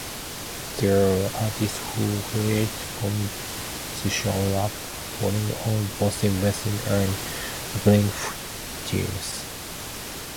There are artists who create conscious rap, focusing on positive messages and uplifting themes.